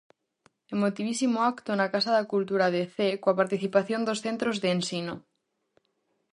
Emotivísimo acto na Casa da Cultura de Cee coa participación dos centros de ensino.